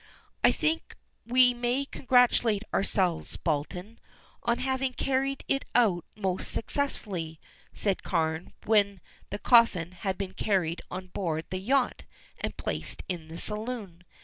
"I think we may congratulate ourselves, Belton, on having carried it out most successfully," said Carne when the coffin had been carried on board the yacht and placed in the saloon.